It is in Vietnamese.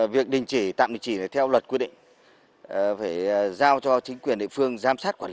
việc tạm đình chỉ là theo luật quy định phải giao cho chính quyền địa phương giám sát quản lý